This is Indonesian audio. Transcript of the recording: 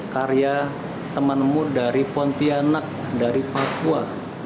karya temanmu dari pontianak dari papua